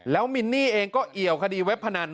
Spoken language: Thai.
แล้วมินนี่เองก็เอี่ยวคดีเว็บพนัน